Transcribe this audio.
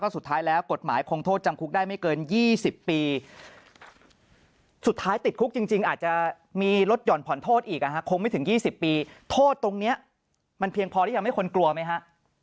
สุดท้ายติดคุกจริงจริงอาจจะมีรถหย่อนผ่อนโทษอีกอะฮะคงไม่ถึงยี่สิบปีโทษตรงเนี้ยมันเพียงพอหรือยังไม่คนกลัวไหมฮะ